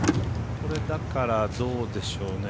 これ、だからどうでしょうね。